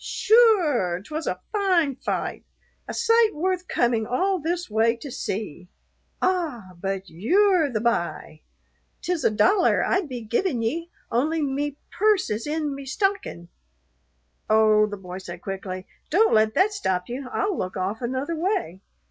"Sure, 'twas a fine fight, a sight worth coming all this way to see. Ah! but you're the b'y. 'Tis a dollar I'd be givin' ye, only me purse is in me stockin' " "Oh," the boy said quickly, "don't let that stop you. I'll look off another way."